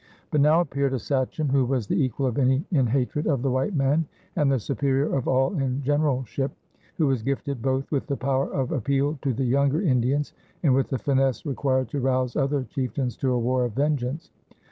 But now appeared a sachem who was the equal of any in hatred of the white man and the superior of all in generalship, who was gifted both with the power of appeal to the younger Indians and with the finesse required to rouse other chieftains to a war of vengeance.